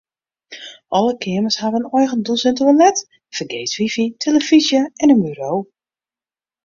Alle keamers hawwe in eigen dûs en toilet, fergees wifi, tillefyzje en in buro.